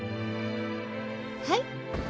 はい。